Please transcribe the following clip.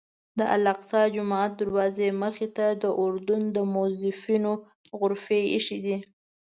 د الاقصی جومات دروازې مخې ته د اردن موظفینو غرفې ایښي دي.